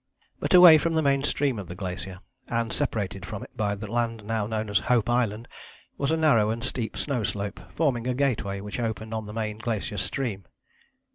But away from the main stream of the glacier, and separated from it by land now known as Hope Island, was a narrow and steep snow slope forming a gateway which opened on to the main glacier stream.